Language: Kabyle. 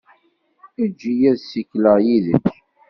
Eǧǧ-iyi ad ssikleɣ yid-k.